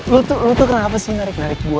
lo tuh kenapa sih narik narik gue